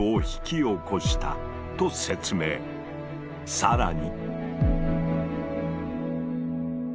更に。